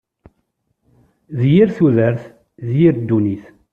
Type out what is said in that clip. D yir tudert! D yir ddunit!